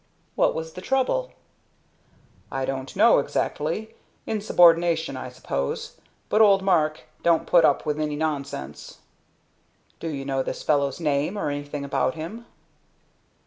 "What was the trouble?" "I don't know, exactly. Insubordination, I suppose; but old Mark don't put up with any nonsense." "Do you know this fellow's name, or anything about him?"